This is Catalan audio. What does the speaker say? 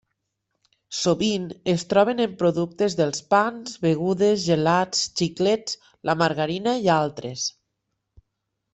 Sovint es troben en productes dels pans, begudes, gelats, xiclets, la margarina i altres.